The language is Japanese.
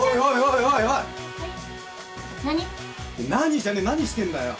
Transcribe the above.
何してんだよ？